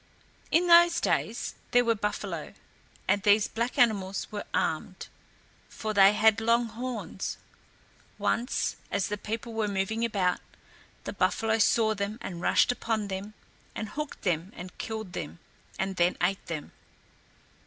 In those days there were buffalo, and these black animals were armed, for they had long horns. Once, as the people were moving about, the buffalo saw them and rushed upon them and hooked them and killed them, and then ate them.